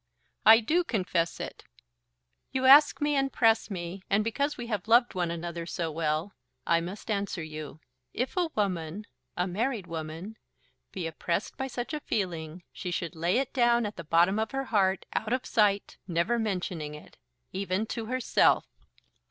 "I do confess it." "You ask me, and press me, and because we have loved one another so well I must answer you. If a woman, a married woman, be oppressed by such a feeling, she should lay it down at the bottom of her heart, out of sight, never mentioning it, even to herself."